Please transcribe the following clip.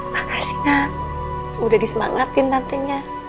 makasih udah disemangatin nantinya